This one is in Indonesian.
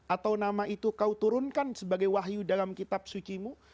atau nama itu kau turunkan sebagai wahyu dalam kitab sucimu